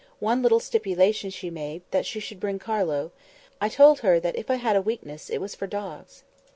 One little stipulation she made, that she should bring Carlo. I told her that if I had a weakness, it was for dogs."